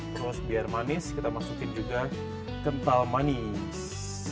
terus biar manis kita masukin juga kental manis